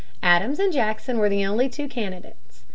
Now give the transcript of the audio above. Adams and Jackson were the only two candidates.